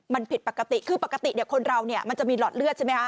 มันผิดปกติคือปกติคนเรามันจะมีหลอดเลือด